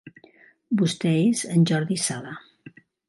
Vostè és en Jordi Sala.